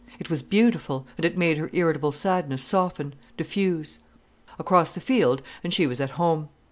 It was beautiful, and it made her irritable sadness soften, diffuse. Across the field, and she was at home.